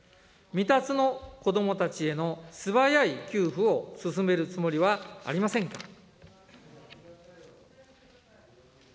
未達の子どもたちへの素早い給付を進めるつもりはありませんか。